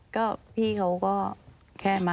ก็พี่เขาก็แค่มา